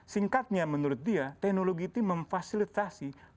singkatnya menurut dia teknologi itu memfasilitasi kemarahan publik secara ekonomi